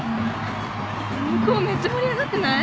向こうめっちゃ盛り上がってない？